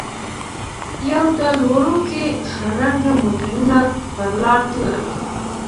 یو ډول وړوکي خړ رنګه موټرونه پر لار تلل.